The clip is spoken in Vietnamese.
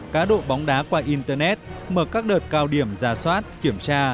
cá độ bóng đá qua internet mở các đợt cao điểm ra soát kiểm tra